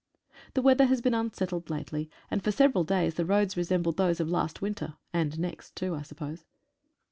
The weather has been unsettled lately, and for several days the roads resembled those of last winter, and next too, I suppose.